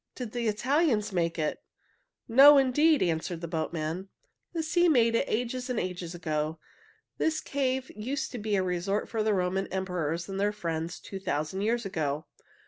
"Did the Italians make it?" "No, indeed!" answered the boatman. "The sea made it ages and ages ago. This cave used to be a resort for the Roman emperors and their friends two thousand years ago.